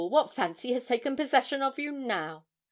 what fancy has taken possession of you now?'